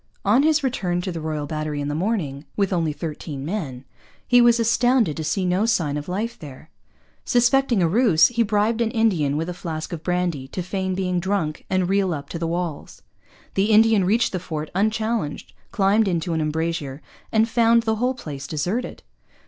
On his return to the Royal Battery in the morning, with only thirteen men, he was astounded to see no sign of life there. Suspecting a ruse, he bribed an Indian with a flask of brandy to feign being drunk and reel up to the walls. The Indian reached the fort unchallenged, climbed into an embrasure, and found the whole place deserted.